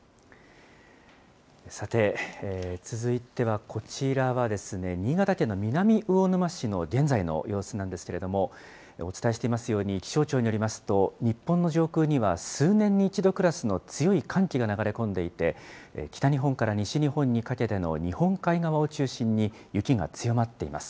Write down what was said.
さて、続いてはこちらは、新潟県の南魚沼市の現在の様子なんですけれども、お伝えしていますように、気象庁によりますと、日本の上空には、数年に一度クラスの強い寒気が流れ込んでいて、北日本から西日本にかけての日本海側を中心に雪が強まっています。